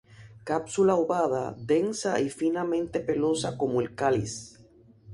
Cápsula ovada, densa y finamente pelosa como el cáliz.